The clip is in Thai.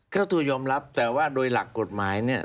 เจ้าตัวยอมรับแต่ว่าโดยหลักกฎหมายเนี่ย